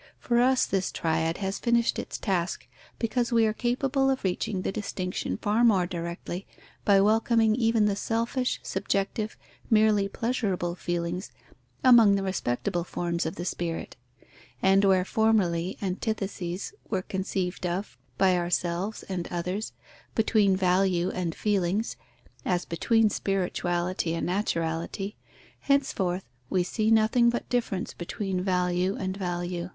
For us this triad has finished its task, because we are capable of reaching the distinction far more directly, by welcoming even the selfish, subjective, merely pleasurable feelings, among the respectable forms of the spirit; and where formerly antitheses were conceived of by ourselves and others, between value and feelings, as between spirituality and naturality, henceforth we see nothing but difference between value and value.